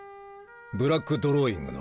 ブラックドローイングの？